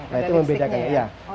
nah itu membedakannya